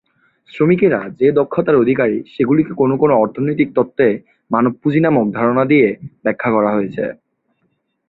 শ্রমিকেরা যে দক্ষতার অধিকারী, সেগুলিকে কোনও কোনও অর্থনৈতিক তত্ত্বে "মানব পুঁজি" নামক ধারণা দিয়ে ব্যাখ্যা করা হয়েছে।